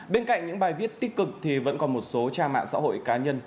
bên cạnh những bài viết tích cực thì vẫn còn một số trang mạng xã hội cá nhân